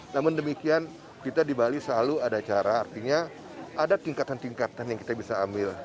namun demikian kita di bali selalu ada cara artinya ada tingkatan tingkatan yang kita bisa ambil